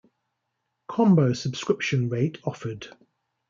Combo subscription rate offered.